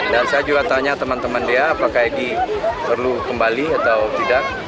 dan saya juga tanya teman teman dia apakah egy perlu kembali atau tidak